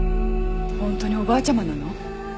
ホントにおばあちゃまなの？